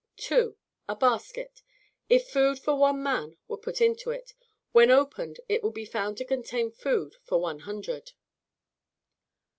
2. A basket; if food for one man were put into it, when opened it would be found to contain food for one hundred.